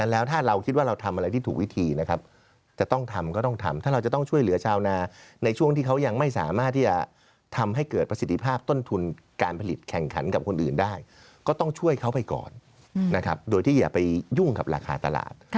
แล้วถ้าเราคิดว่าเราทำอะไรที่ถูกวิธีนะครับจะต้องทำก็ต้องทำถ้าเราจะต้องช่วยเหลือชาวนาในช่วงที่เขายังไม่สามารถที่จะทำให้เกิดประสิทธิภาพต้นทุนการผลิตแข่งขันกับคนอื่นได้ก็ต้องช่วยเขาไปก่อนนะครับโดยที่อย่าไปยุ่งกับราคาตลาด